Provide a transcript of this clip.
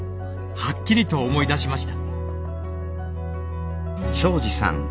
はっきりと思い出しました。